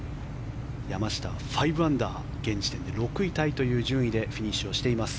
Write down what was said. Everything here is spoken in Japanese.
山下は５アンダー現時点で６位タイという順位でフィニッシュをしています。